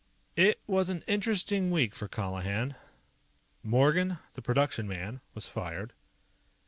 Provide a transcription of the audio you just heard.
It was an interesting week for Colihan. Morgan, the production man, was fired.